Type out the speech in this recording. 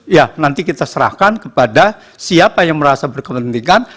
ya nanti kita serahkan kepada siapa yang merasa berkepentingan